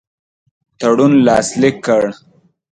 تړون لاسلیک کړ.